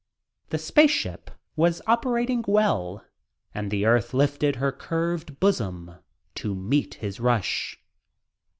The space ship was operating well and the Earth lifted her curved bosom to meet his rush.